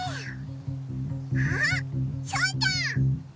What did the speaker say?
あっそうだ！